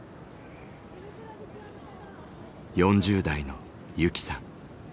４０代のゆきさん。